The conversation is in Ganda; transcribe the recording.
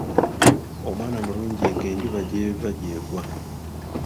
Omwana mulungi nga Enjuba gy'eva gy'egwa.